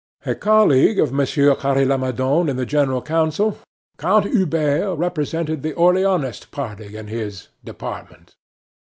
A colleague of Monsieur Carre Lamadon in the General Council, Count Hubert represented the Orleanist party in his department.